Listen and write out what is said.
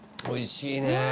おいしいね。